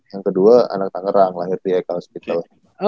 yang kedua anak tanggerang lahir di eckhalskital